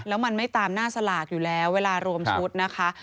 แล้วมันไม่ตามหน้าสลากอยู่แล้วเวลารวมชุดนะคะ